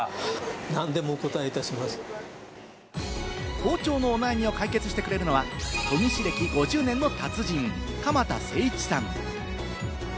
包丁のお悩みを解決してくれるのは研ぎ師歴５０年の達人、鎌田晴一さん。